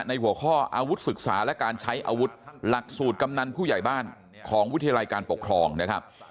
หัวข้ออาวุธศึกษาและการใช้อาวุธหลักสูตรกำนันผู้ใหญ่บ้านของวิทยาลัยการปกครองนะครับ